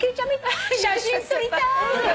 写真撮りたい！」